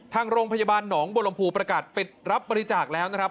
ทางโรงพยาบาลหนองบัวลำพูประกาศปิดรับบริจาคแล้วนะครับ